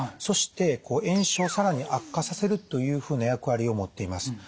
そして炎症を更に悪化させるというふうな役割を持っています。